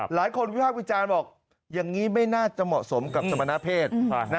วิภาควิจารณ์บอกอย่างนี้ไม่น่าจะเหมาะสมกับสมณเพศ